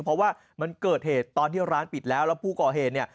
เพราะว่ามันเกิดเหตุตอนที่ร้านปิดแล้วแล้วผู้ก่อเหตุเนี่ย